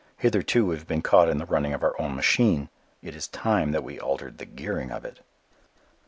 Hitherto we have been caught in the running of our own machine: it is time that we altered the gearing of it.